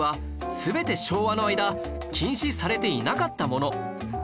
全て昭和の間禁止されていなかったもの